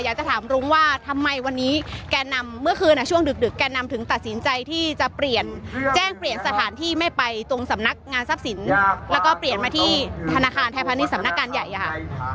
อยากจะถามรุ้งว่าทำไมวันนี้แกนนำเมื่อคืนช่วงดึกแกนนำถึงตัดสินใจที่จะเปลี่ยนแจ้งเปลี่ยนสถานที่ไม่ไปตรงสำนักงานทรัพย์สินแล้วก็เปลี่ยนมาที่ธนาคารไทยพาณิชย์สำนักงานใหญ่อะค่ะ